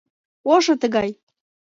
— Ошо тыгай...